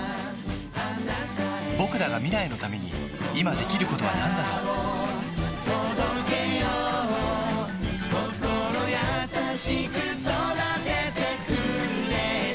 ぼくらが未来のために今できることはなんだろう心優しく育ててくれた